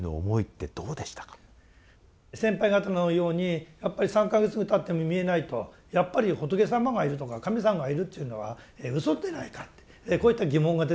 先輩方のようにやっぱり３か月たっても見えないとやっぱり仏様がいるとか神様がいるというのはうそでないかってこういった疑問が出てくるんですね。